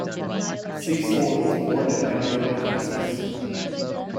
Cecil was born in Amarillo, Texas.